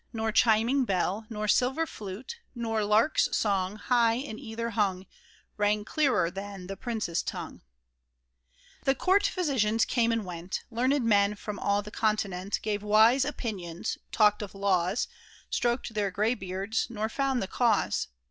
Nor chiming bell, nor silver flute. Nor lark's song, high in ether hung, Rang clearer than the prince's tongue ! The court physicians came and went ; Learned men from all the continent Gave wise opinions, talked of laws. Stroked their gray beards, nor found the cause.